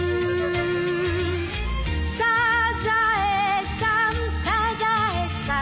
「サザエさんサザエさん」